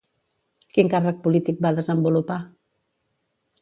Quin càrrec polític va desenvolupar?